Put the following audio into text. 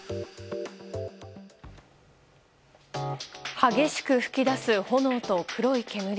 激しく噴き出す炎と黒い煙。